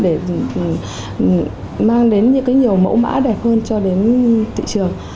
để mang đến nhiều mẫu mã đẹp hơn cho đến thị trường